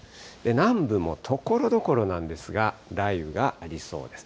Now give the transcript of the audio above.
南部もところどころなんですが、雷雨がありそうです。